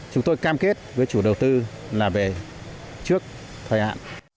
chúng tôi cam kết với chủ đầu tư là về trước thời hạn